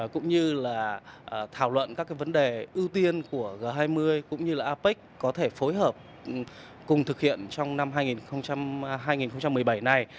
cũng như là thảo luận các vấn đề ưu tiên của g hai mươi cũng như là apec có thể phối hợp cùng thực hiện trong năm hai nghìn hai mươi bảy này